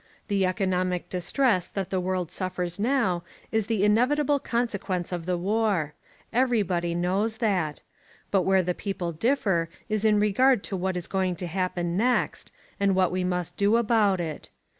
The economic distress that the world suffers now is the inevitable consequence of the war. Everybody knows that. But where the people differ is in regard to what is going to happen next, and what we must do about it.